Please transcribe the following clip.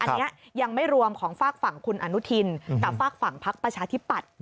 อันนี้ยังไม่รวมของฝากฝั่งคุณอนุทินกับฝากฝั่งพักประชาธิปัตย์